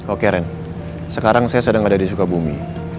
oh karen sekarang saya sedang ada di sukabumi